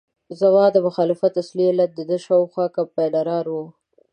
زما د مخالفت اصلي علت دده شاوخوا کمپاینران وو.